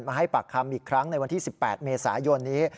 ให้ปากคำอีกครั้งในวันที่๑๘เมษายนนี้